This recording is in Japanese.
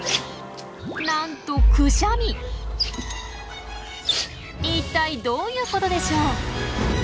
なんといったいどういうことでしょう？